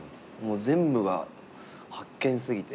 全部が発見すぎて。